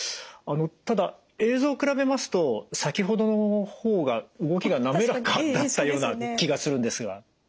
ただ映像を比べますと先ほどの方が動きが滑らかだったような気がするんですが。